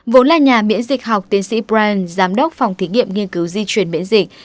vốn là nhà miễn dịch học tiến sĩ brand giám đốc phòng thí nghiệm nghiên cứu di chuyển miễn dịch